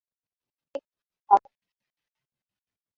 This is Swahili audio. Sisi hujikaza masomoni